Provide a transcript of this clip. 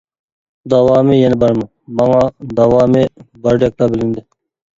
داۋامى يەنە بارمۇ؟ ماڭا داۋامى باردەكلا بىلىندى.